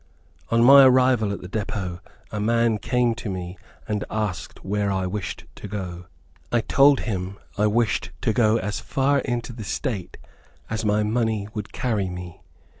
On my arrival at the depot, a man came to me, and asked where I wished to go. I told him I wished to go as far into the State as my money would carry me.